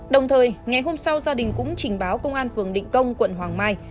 đồng thời ngày hôm sau gia đình cũng trình báo công an phường định công quận hoàng mai